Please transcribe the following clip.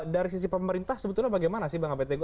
dari sisi pemerintah sebetulnya bagaimana sih bang abed tego